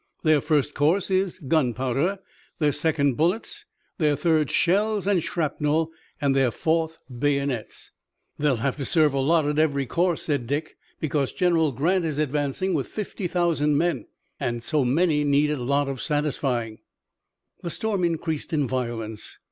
"Their first course is gunpowder, their second bullets, their third shells and shrapnel, and their fourth bayonets." "They'll have to serve a lot at every course," said Dick, "because General Grant is advancing with fifty thousand men, and so many need a lot of satisfying." The storm increased in violence.